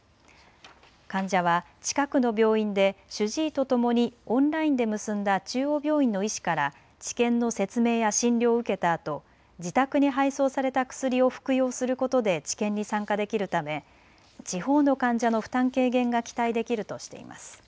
患者は近くの病院で主治医とともにオンラインで結んだ中央病院の医師から治験の説明や診療を受けたあと自宅に配送された薬を服用することで治験に参加できるため地方の患者の負担軽減が期待できるとしています。